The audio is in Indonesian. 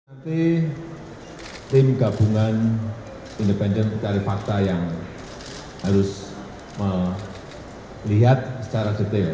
nanti tim gabungan independen mencari fakta yang harus melihat secara detail